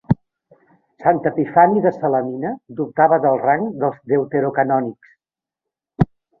Sant Epifani de Salamina dubtava del rang dels deuterocanònics.